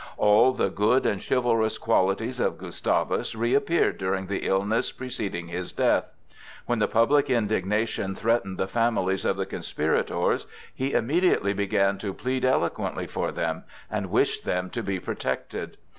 All the good and chivalrous qualities of Gustavus reappeared during the illness preceding his death. When the public indignation threatened the families of the conspirators, he immediately began to plead eloquently for them and wished them to be protected.